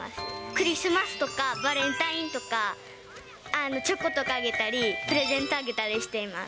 クリスマスとかバレンタインとか、チョコとかあげたり、プレゼントあげたりしています。